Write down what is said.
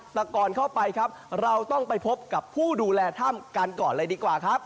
แต่ก่อนเข้าไปครับเราต้องไปพบกับผู้ดูแลถ้ำกันก่อนเลยดีกว่าครับ